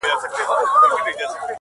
زما مور، دنيا هېره ده.